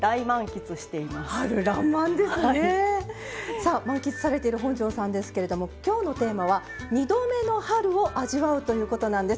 さあ満喫されている本上さんですけれどもきょうのテーマは「２度目の春を味わう」ということなんです。